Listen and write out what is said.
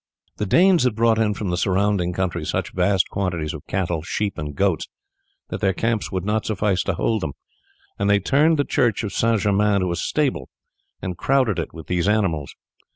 The Danes had brought in from the surrounding country such vast quantities of cattle, sheep, and goats, that their camps would not suffice to hold them, and they turned the church of St. Germain into a stable and crowded it with these animals.